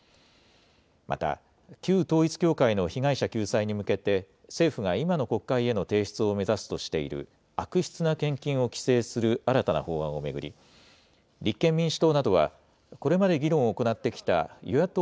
また、旧統一教会の被害者救済に向けて、政府が今の国会への提出を目指すとしている、悪質な献金を規制する新たな法案を巡り、立憲民主党などは、これまで議論を行ってきた与野党４